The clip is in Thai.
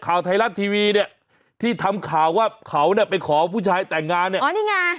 ข่าวไทยรัฐทีวีเนี่ยที่ทำข่าวว่าเขาไปขอว่าผู้ชายแต่งงานเนี่ย